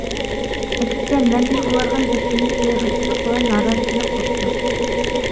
ئەكسىچە، مەندىن ئۇلارغا يەتكىنى ئېغىرچىلىق ۋە نارازىلىق بوپتۇ.